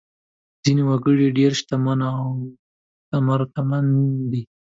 ځینې وګړي ډېر شتمن او ثروتمند دي.